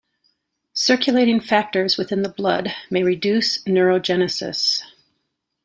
Circulating factors within the blood may reduce neurogenesis.